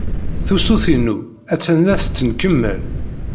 Tusut-inu attan la tettenkemmal.